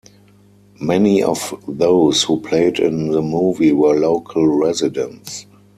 Many of those who played in the movie were local residents.